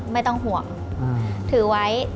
ไม่ต้องห่วงถือไว้